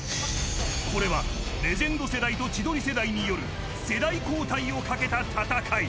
これはレジェンド世代と千鳥世代による世代交代をかけた戦い。